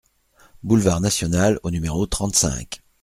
Boulevard National au numéro trente-cinq